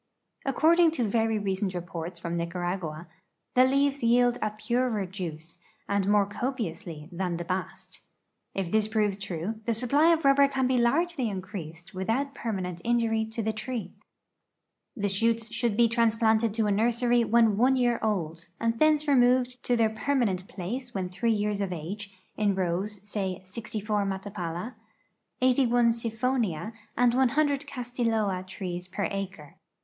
According to ver}^ recent re[)orts from Nicaragua, the leaves jdeld a purer juice, and more copiously, than the bast. If this proves true, the sui)ply of rubber can be largely increased with out permanent injury to the tree. The shoots should be transplanted to a nursery when one year old, and thence removed to their permanent place when 3 years of age, in roAvs— say, 64 Matapala, 81 Siphonia, and 100 Castilloa trees per acre.